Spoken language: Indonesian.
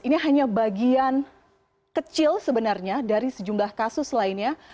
ini hanya bagian kecil sebenarnya dari sejumlah kasus lainnya